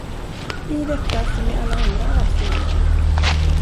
I detta som i alla andra avseenden.